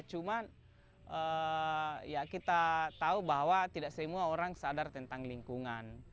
cuma ya kita tahu bahwa tidak semua orang sadar tentang lingkungan